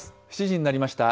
７時になりました。